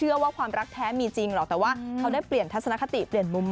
เรื่องของความรักเขาบอกว่าเพิ่มพิจารณ์พุทธ